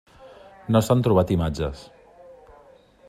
No s'han trobat imatges.